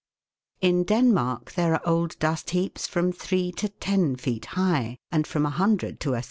In Denmark there are old dust heaps from three to ten feet high, and from 100 to i.